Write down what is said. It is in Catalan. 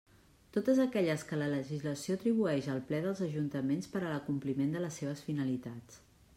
Totes aquelles que la legislació atribueix al Ple dels ajuntaments per a l'acompliment de les seves finalitats.